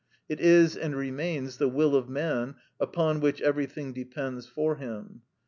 It is and remains the will of man upon which everything depends for him.